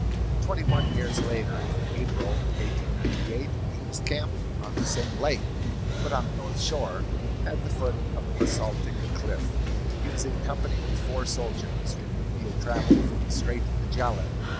Twenty one years later, in April, 1898, he was camped on the same lake, but on the north shore, at the foot of a basaltic cliff. He was in company with four soldiers, with whom he had travelled from the Strait of Magellan.